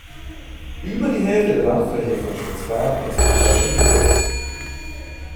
Über die Hälfte der Landfläche von Spitzbergen ist von Gletschern bedeckt.